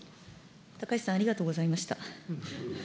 高市さん、ありがとうございました。